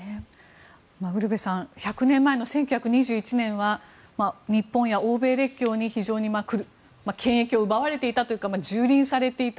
ウルヴェさん１００年前の１９２１年は日本や欧米列強に非常に権益を奪われていたというかじゅうりんされていた。